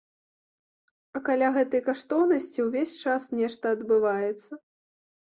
А каля гэтай каштоўнасці ўвесь час нешта адбываецца.